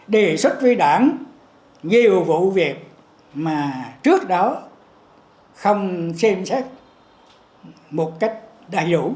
đề xuất với đảng nhiều vụ việc mà trước đó không xem xét một cách đầy đủ